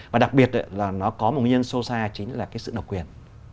và đặc biệt là nó có một nguyên nhân sâu xa chính là cái sự độc quyền